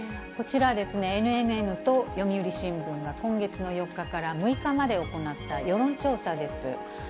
こちらですね、ＮＮＮと読売新聞が、今月の４日から６日まで行った世論調査です。